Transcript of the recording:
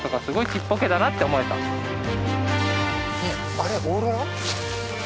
あれオーロラ？